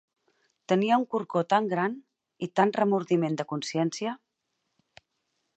Tenia un corcó tant gran, i tant remordiment de consciencia